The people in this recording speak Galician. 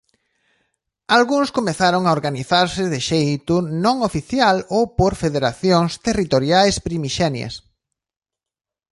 Algúns comezaron a organizarse de xeito non oficial ou por federacións territoriais primixenias.